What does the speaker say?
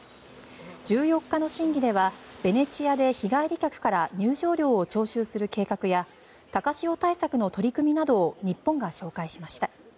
１４日の審議ではベネチアで日帰り客から入場料を徴収する計画や高潮対策の取り組みなどを日本が紹介しました。